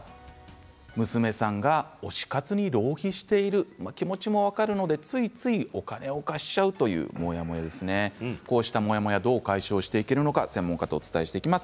娘さんの気持ちが分かるのでついついお金を貸しちゃうというモヤモヤ、こうしたモヤモヤどう解消していけるのか専門家とお伝えしていきます。